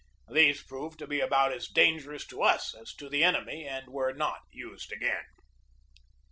These proved to be about as dangerous to us as to the enemy and were not used again.